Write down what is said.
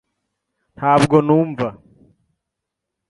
Ntabwo numva .